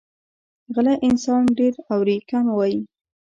غلی انسان، ډېر اوري، کم وایي.